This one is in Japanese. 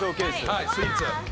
はいスイーツ。